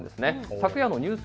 昨夜のニュース